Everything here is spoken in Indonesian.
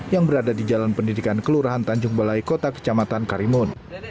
yang berada di jalan pendidikan kelurahan tanjung balai kota kecamatan karimun